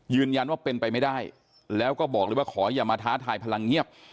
ยืนยันว่าเป็นไปไม่ได้แล้วก็บอกเลยว่าขออย่ามาท้าทายพลังเงียบ